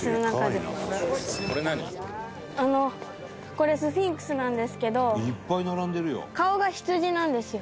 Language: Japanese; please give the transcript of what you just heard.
これスフィンクスなんですけど顔が羊なんですよ。